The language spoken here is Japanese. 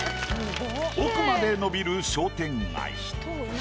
奥まで延びる商店街。